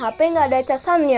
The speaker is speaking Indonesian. bapaknya ga ada casannya